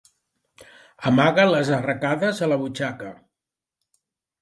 Amaga les arracades a la butxaca.